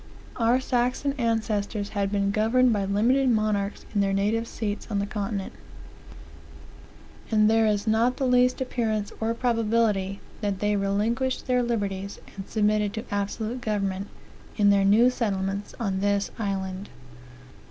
Our Saxon ancestors had been governed by limited monarchs in their native seats on the continent; and there is not the least appearance or probability that they relinquished their liberties, and submitted to absolute government in their new settlements in this island.